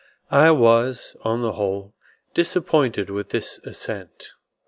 I was, on the whole, disappointed with this ascent.